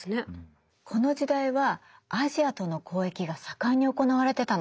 この時代はアジアとの交易が盛んに行われてたの。